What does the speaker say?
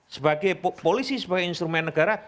sebagai polisi sebagai instrumen negara